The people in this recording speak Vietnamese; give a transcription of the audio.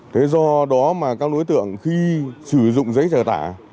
thế do đó mà các đối tượng khi sử dụng giấy trả tả